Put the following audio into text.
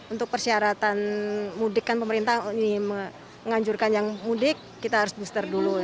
untuk persyaratan mudik kan pemerintah ini menganjurkan yang mudik kita harus booster dulu